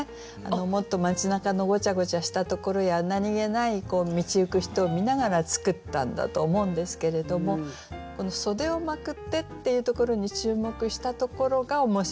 もっと街なかのごちゃごちゃしたところや何気ない道行く人を見ながら作ったんだと思うんですけれどもこの「袖をまくって」っていうところに注目したところが面白いところで。